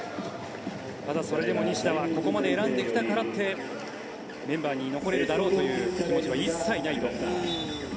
それでも西田はここまで選ばれてきたからと言ってメンバーに残れるだろうという気持ちは一切ないと。